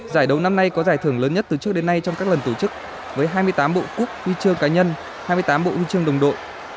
giải đấu năm nay có giải thưởng lớn nhất từ trước đến nay trong các lần tổ chức với hai mươi tám bộ quốc huy chương cá nhân hai mươi tám bộ huy chương đồng đội